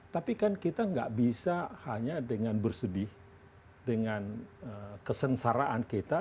tapi kan kita nggak bisa hanya dengan bersedih dengan kesengsaraan kita